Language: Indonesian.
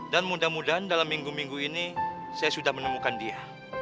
dan mudah mudahan dalam minggu minggu ini saya sudah menemukan dia